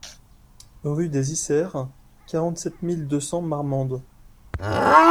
Rue des Isserts, quarante-sept mille deux cents Marmande